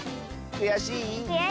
くやしい。